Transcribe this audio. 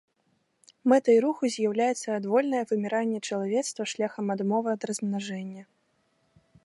Мэтай руху з'яўляецца адвольнае выміранне чалавецтва шляхам адмовы ад размнажэння.